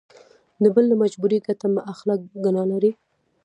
د بل له مجبوري ګټه مه اخله ګنا لري.